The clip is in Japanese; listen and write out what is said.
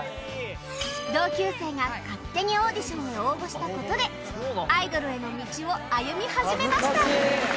同級生が勝手にオーディションへ応募した事でアイドルへの道を歩み始めました